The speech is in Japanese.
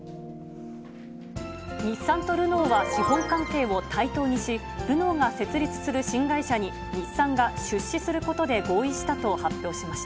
日産とルノーは資本関係を対等にし、ルノーが設立する新会社に、日産が出資することで合意したと発表しました。